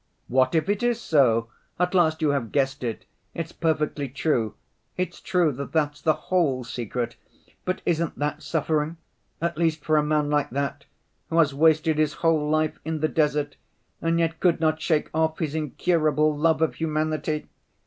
"What if it is so! At last you have guessed it. It's perfectly true, it's true that that's the whole secret, but isn't that suffering, at least for a man like that, who has wasted his whole life in the desert and yet could not shake off his incurable love of humanity?